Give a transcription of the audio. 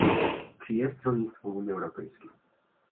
Czym jest rolnictwo w Unii Europejskiej?